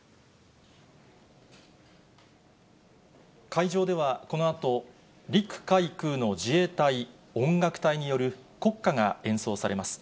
会場ではこのあと、陸海空の自衛隊音楽隊による国歌が演奏されます。